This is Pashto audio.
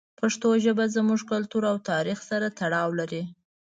پښتو ژبه زموږ کلتور او تاریخ سره تړاو لري.